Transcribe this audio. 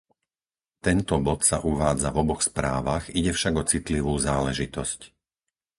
Tento bod sa uvádza v oboch správach, ide však o citlivú záležitosť.